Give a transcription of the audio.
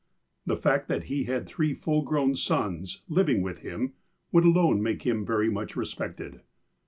The fact that he had three full grown sons living with him, would alone make him very much respected.